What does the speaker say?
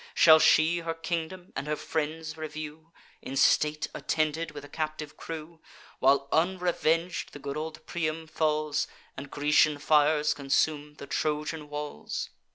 Shall she her kingdom and her friends review, In state attended with a captive crew, While unreveng'd the good old Priam falls, And Grecian fires consume the Trojan walls?